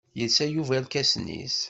Yelsa Yuba irkasen-is.